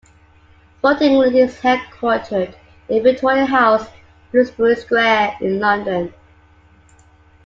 Sport England is headquartered in Victoria House, Bloomsbury Square in London.